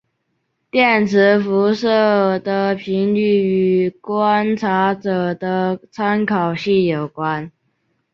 电磁辐射的频率与观察者的参考系有关。